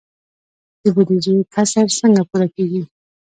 د بودیجې کسر څنګه پوره کیږي؟